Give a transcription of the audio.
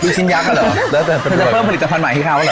ที่ชิ้นยักษ์ค่ะหรอจะเพิ่มผลิตภัณฑ์ใหม่ให้เขาหรอ